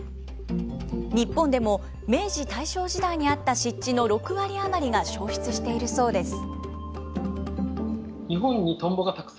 日本でも明治、大正時代にあった湿地の６割余りが消失しているそうです。